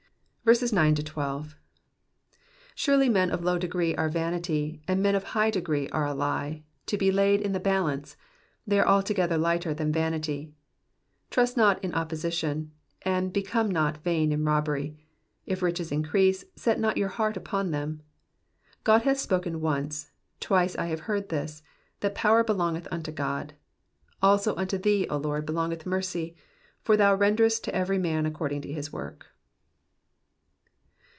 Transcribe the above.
9 Surely men of low degree are vanity, and men of high degree are a lie : to be laid in the balance, they are altogether lighter than vanity. 10 Trust not in oppression, and become not vain in robbery : if riches increase, set not you heart upon them, 1 1 God hath spoken once ; twice have I heard this ; that power belongeth unto God. 12 Also unto thee, O Lord, belongeth mercy : for thou renderest to every man according to his work.